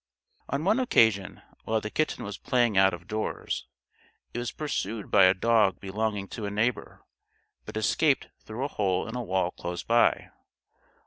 On one occasion, while the kitten was playing out of doors, it was pursued by a dog belonging to a neighbour, but escaped through a hole in a wall close by.